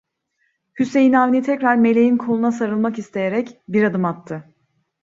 Hüseyin Avni tekrar Meleğin koluna sarılmak isteyerek, bir adım attı.